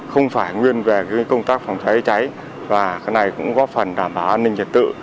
không phải nguyên về công tác phòng cháy cháy và cái này cũng góp phần đảm bảo an ninh trật tự